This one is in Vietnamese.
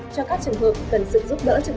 cho các trường hợp cần sự giúp đỡ trực